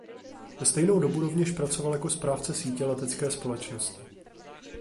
Ve stejnou dobu rovněž pracoval jako správce sítě letecké společnosti.